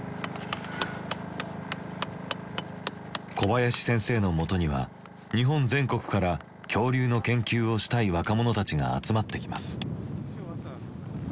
小林先生のもとには日本全国から恐竜の研究をしたい若者たちが集まってきます。